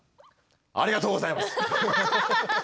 ありがとうございます！